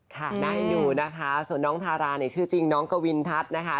ค่ะนายอยู่นะคะสนน้องทาราชื่อจริงน้องกวินทัศน์นะคะ